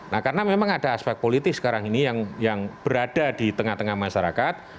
nah karena memang ada aspek politis sekarang ini yang berada di tengah tengah masyarakat